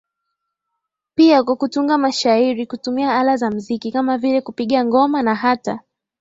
pia wa kutunga mashairi kutumia ala za mziki kama vile kupiga ngoma na hata